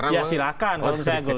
ya silahkan kalau misalnya gus